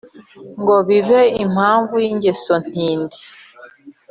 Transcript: ngo bibe impamvu y ' ingeso ntindi